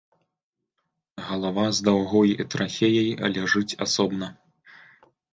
Галава з даўгой трахеяй ляжыць асобна.